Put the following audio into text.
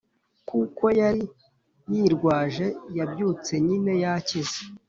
kuko yari yirwaje yabyutse nyine yakize.